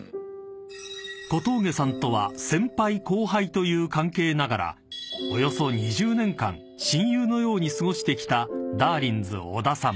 ［小峠さんとは先輩後輩という関係ながらおよそ２０年間親友のように過ごしてきただーりんず小田さん］